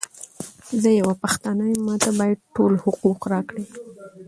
زۀ یوه پښتانه یم، ماته باید ټول حقوق راکړی!